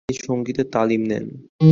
তিনি সঙ্গীতের তালিম নেন।